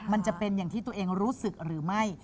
มันจะเป็นอย่างที่ตัวเองรู้สึกหรือไม่